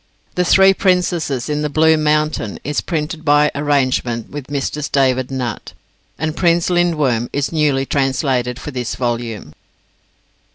THE THREE PRINCESSES IN THE BLUE MOUNTAIN is printed by arrangement with Messrs. David Nutt; and PRINCE LINDWORM is newly translated for this volume.